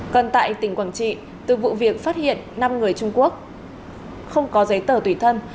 còn tại tỉnh quảng trị từ vụ việc phát hiện năm người trung quốc không có giấy tờ tùy thân